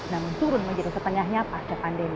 namun turun menjadi setengahnya pasca pandemi